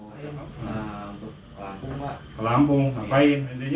awalnya memang saya niat pak untuk nikah